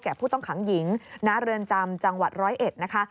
ผู้ต้องขังหญิงณเรือนจำจังหวัดร้อยเอ็ดนะคะ